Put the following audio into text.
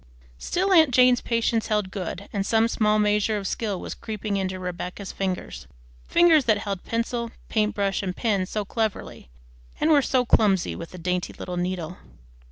Still aunt Jane's patience held good, and some small measure of skill was creeping into Rebecca's fingers, fingers that held pencil, paint brush, and pen so cleverly and were so clumsy with the dainty little needle.